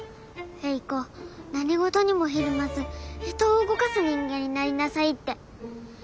「英子何事にもひるまず人を動かす人間になりなさい」って。